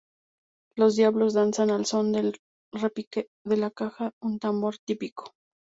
Los Diablos danzan al son del repique de la caja, un tambor típico.